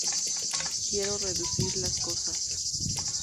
Quiero reducir las cosas".